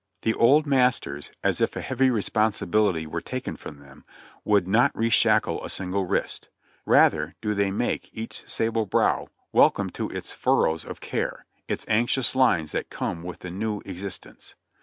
The old masters, as if a heavy responsibility were taken from them, would not reshackle a single wrist ; rather do they make each sable brow welcome to its furrows of care, its anxious lines that come with the new existence.